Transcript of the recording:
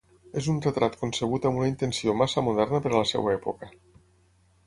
És un retrat concebut amb una intenció massa moderna per a la seva època.